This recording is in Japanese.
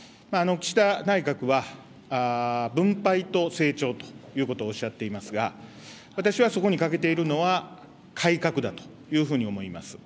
岸田内閣は、分配と成長ということをおっしゃっていますが、私はそこにかけているのは、改革だというふうに思います。